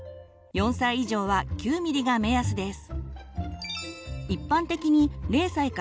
４歳以上は９ｍｍが目安です。